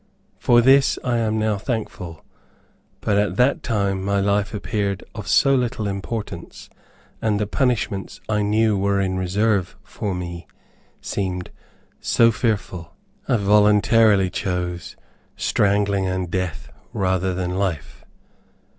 For this, I am now thankful, but at that time my life appeared of so little importance, and the punishments I knew were in reserve for me seemed so fearful, I voluntarily chose "strangling and death rather than life."